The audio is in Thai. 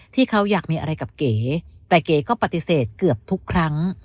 ที่เขาอยากมีอะไรกับเก๋แต่เก๋ก็ปฏิเสธเกือบทุกครั้ง